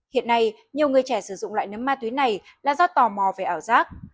hiện nay nhiều người trẻ sử dụng loại nấm ma túy này là do tò mò về ảo giác